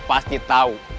ulu pasti tahu